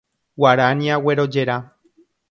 Guarania guerojera.